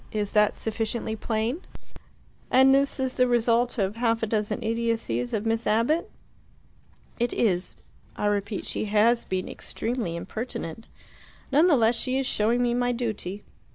Is that sufficiently plain?" "And this is the result of half a dozen idiocies of Miss Abbott?" "It is. I repeat, she has been extremely impertinent. None the less she is showing me my duty.